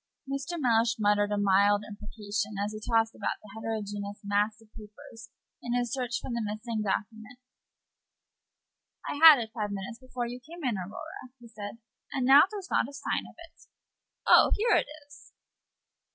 I'm afraid that Mr. Mellish muttered an oath as he tossed about the heterogeneous mass of papers in his search for the missing document. "I had it five minutes before you came in, Aurora," he said, "and now there's not a sign of it oh, here it is!"